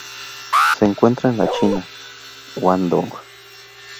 Se encuentra en la China: Guangdong.